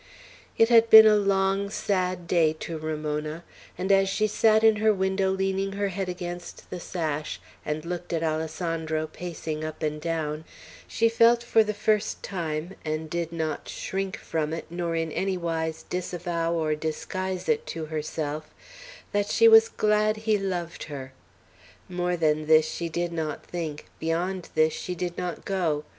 It had been a long, sad day to Ramona; and as she sat in her window leaning her head against the sash, and looked at Alessandro pacing up and down, she felt for the first time, and did not shrink from it nor in any wise disavow or disguise it to herself, that she was glad he loved her. More than this she did not think; beyond this she did not go.